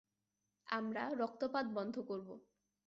আমরা রক্তপাত বন্ধ করব।